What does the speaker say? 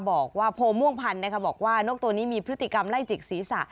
บอกว่าโพม่วงพันธ์บอกว่านกตัวนี้มีพฤติกรรมไล่จิกศีรษะ